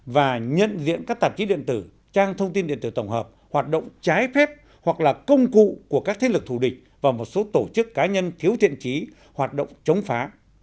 và nhận diện các tạp chí điện tử trang thông tin điện tử tổng hợp hoạt động trái phép hoặc là công cụ của các thế lực thù địch và một số tổ chức cá nhân thiếu thiện trí hoạt động chống phá